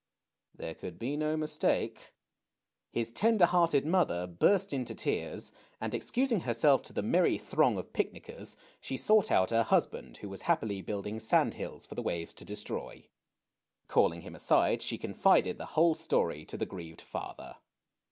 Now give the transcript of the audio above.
There could be no mistake. His tender hearted mother burst into tears, and excusing herself to the merry throng of picnickers, she sought out her husband, who was happily building sand hills for tlie waves to destroy. Calling him aside, she confided the whole story to the grieved father.